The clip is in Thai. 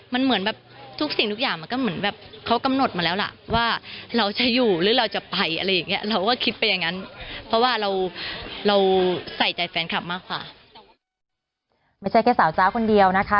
ไม่ใช่แค่สาวจ๊าคนเดียวนะคะ